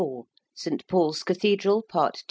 ST. PAUL'S CATHEDRAL. PART II.